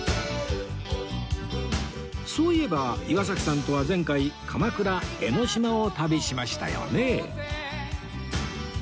そういえば岩崎さんとは前回鎌倉江の島を旅しましたよね